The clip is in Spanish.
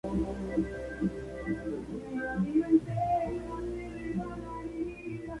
Lo hizo bajo el discurso de que "la democracia y el progreso son contradictorios.